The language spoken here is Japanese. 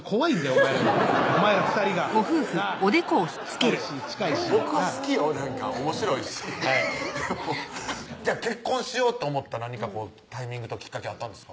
お前らお前ら２人がなぁ近いし近いし僕は好きよなんかおもしろいしはいじゃあ結婚しようって思った何かタイミングときっかけあったんですか？